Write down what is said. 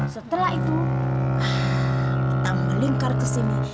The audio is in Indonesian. setelah itu kita melingkar ke sini